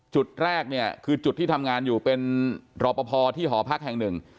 จุดแรกเนี่ยคือจุดที่ทำงานอยู่เป็นรอปภที่หอพักแห่งหนึ่ง